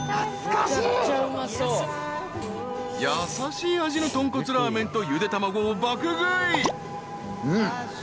［優しい味の豚骨ラーメンとゆで卵を爆食い］